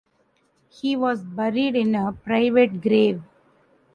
He was buried in a private grave.